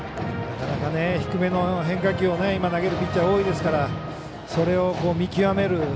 なかなか低めの変化球を今投げるピッチャー多いですからそれを見極める。